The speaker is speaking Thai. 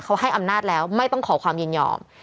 เขาให้อำนาจแล้วไม่ต้องขอความยินยอม